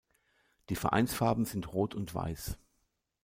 Die Vereinsfarben sind rot und weiß.